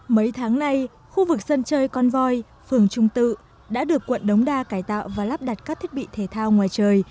mấy tháng nay khu vực sân chơi con voi phường trung tự đã được quận đống đa cải tạo và lắp đặt các thiết bị thể thao ngoài trời